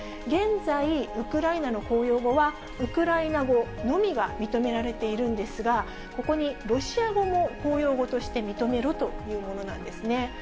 現在、ウクライナの公用語はウクライナ語のみが認められているんですが、ここにロシア語も公用語として認めろというものなんですね。